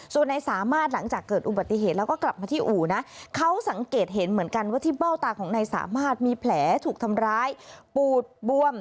ส่วนนายสามารถหลังจากเกิดอุบัติเหตุแล้วก็กลับมาที่อู่นะเขาสังเกตเห็นเหมือนกันว่าที่เบ้าตาของนายสามารถมีแผลถูกทำร้ายปูดบวม